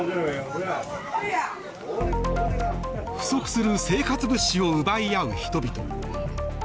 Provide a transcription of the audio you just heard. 不足する生活物資を奪い合う人々。